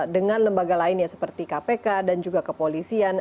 dengan lembaga lain ya seperti kpk dan juga kepolisian